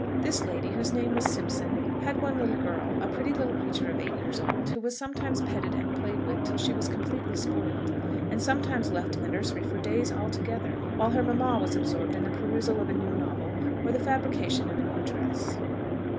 This lady, whose name was Simpson, had one little girl, a pretty little creature of eight years old, who was sometimes petted and played with till she was completely spoiled, and sometimes left in the nursery for days together, while her mamma was absorbed in the perusal of a new novel or the fabrication of a new dress.